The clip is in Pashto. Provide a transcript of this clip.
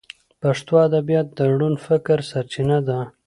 پښتو ادبیات د روڼ فکر سرچینه ده.